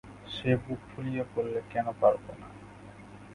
সে বুক ফুলিয়ে বললে, কেন পারব না?